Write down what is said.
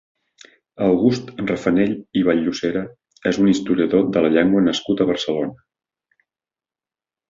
August Rafanell i Vall-llosera és un historiador de la llengua nascut a Barcelona.